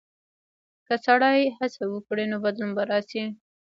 که سړی هڅه وکړي، نو بدلون به راشي.